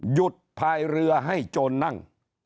พายเรือให้โจรนั่ง